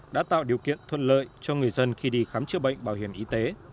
đã tạo điều kiện thuận lợi cho người dân khi đi khám chữa bệnh bảo hiểm y tế